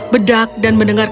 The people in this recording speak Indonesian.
bedak dan mendengar suara